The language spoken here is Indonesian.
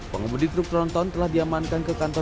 pengemudi truk tronton telah diamankan ke kantor